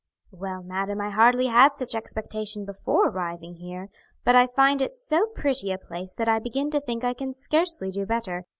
"Well, madam, I hardly had such expectation before arriving here, but I find it so pretty a place that I begin to think I can scarcely do better.